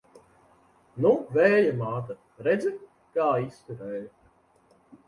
Nu, Vēja māte, redzi, kā izturēju!